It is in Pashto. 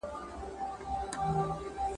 ښوونکی پرون درس تشریح کړ.